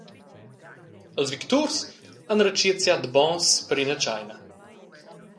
Ils victurs han retschiert siat bons per ina tscheina.